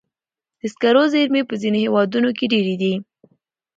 د سکرو زیرمې په ځینو هېوادونو کې ډېرې دي.